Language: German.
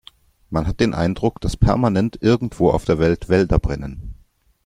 Man hat den Eindruck, dass permanent irgendwo auf der Welt Wälder brennen.